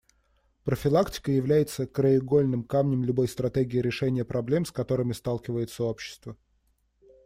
Профилактика является краеугольным камнем любой стратегии решения проблем, с которыми сталкивается общество.